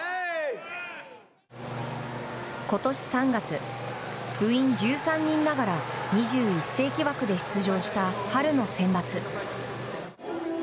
今年３月、部員１３人ながら２１世紀枠で出場した春のセンバツ。